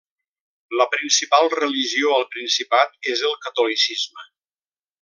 La principal religió al Principat és el Catolicisme.